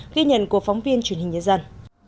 ghi nhận của phóng viên truyền hình nhân dân